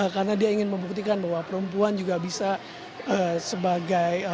karena dia ingin membuktikan bahwa perempuan juga bisa sebagai